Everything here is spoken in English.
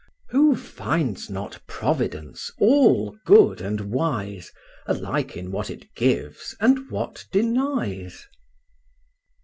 Who finds not Providence all good and wise, Alike in what it gives, and what denies?